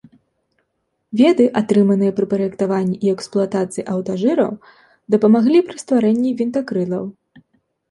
Веды, атрыманыя пры праектаванні і эксплуатацыі аўтажыраў, дапамаглі пры стварэнні вінтакрылаў.